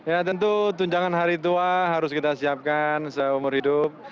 ya tentu tunjangan hari tua harus kita siapkan seumur hidup